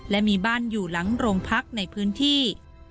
และมีบ้านอยู่หลังโรงพักในพื้นที่